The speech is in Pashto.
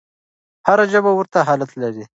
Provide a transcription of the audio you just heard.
هره ژبه ورته حالت لري.